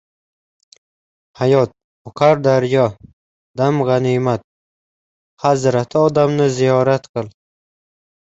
Hayot – oqar daryo… dam g‘animat. Hazrati odamni ziyorat qil.